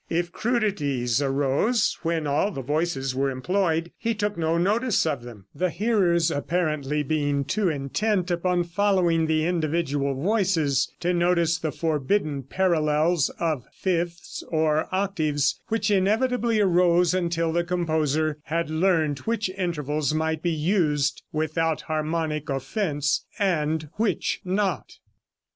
If crudities arose when all the voices were employed, he took no notice of them; the hearers, apparently, being too intent upon following the individual voices to notice the forbidden parallels of fifths or octaves, which inevitably arose until the composer had learned which intervals might be used without harmonic offense, and which not.